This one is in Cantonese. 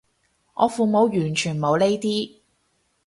我父母完全冇呢啲